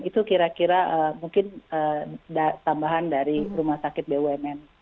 itu kira kira mungkin tambahan dari rumah sakit bumn